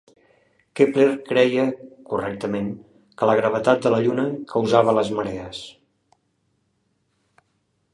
Kepler creia, correctament, que la gravetat de la lluna causava les marees.